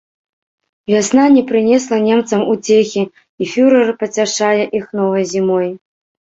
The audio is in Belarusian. Вясна не прынесла немцам уцехі, і фюрэр пацяшае іх новай зімой.